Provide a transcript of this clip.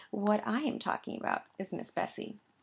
What I am talking about is Miss Bessy.